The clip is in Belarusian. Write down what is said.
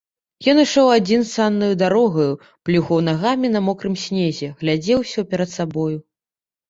Ён ішоў адзін саннаю дарогаю, плюхаў нагамі на мокрым снезе, глядзеў усё перад сабою.